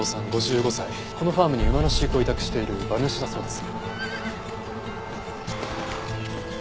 このファームに馬の飼育を委託している馬主だそうです。